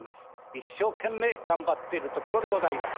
一生懸命頑張っているところでございます。